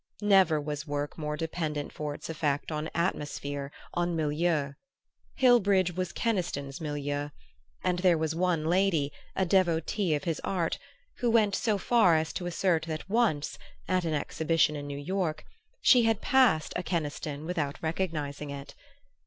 Never was work more dependent for its effect on "atmosphere," on milieu. Hillbridge was Keniston's milieu, and there was one lady, a devotee of his art, who went so far as to assert that once, at an exhibition in New York, she had passed a Keniston without recognizing it.